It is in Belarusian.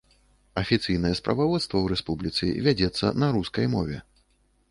Афіцыйнае справаводства ў рэспубліцы вядзецца на рускай мове.